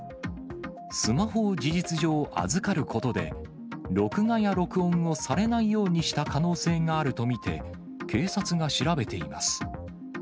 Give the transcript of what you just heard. スマホを事実上預かることで、録画や録音をされないようにした可能性があると見て、警察が調べています。